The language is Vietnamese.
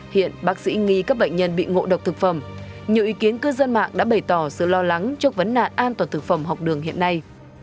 hiện bác sĩ nghi các bệnh nhân bị ngộ độc thực phẩm nhiều ý kiến cư dân mạng đã bày tỏ sự lo lắng trước vấn nạn an toàn thực phẩm học đường hiện nay